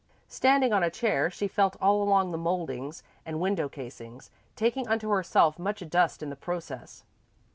Standing on a chair, she felt all along the mouldings and window casings, taking unto herself much dust in the process.